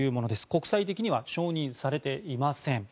国際的には承認されていません。